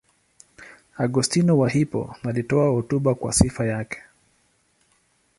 Augustino wa Hippo alitoa hotuba kwa sifa yake.